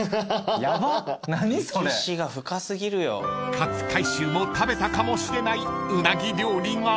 ［勝海舟も食べたかもしれないうなぎ料理が］